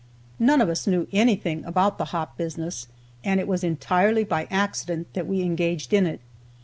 None of us knew anything about the hop business, and it was entirely by accident that we engaged in it.